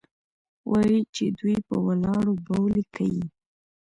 وايي چې دوى په ولاړو بولې کيې.